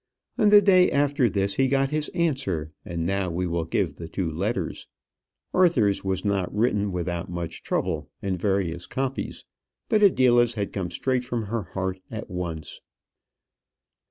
On the day after this he got his answer; and now we will give the two letters. Arthur's was not written without much trouble and various copies; but Adela's had come straight from her heart at once.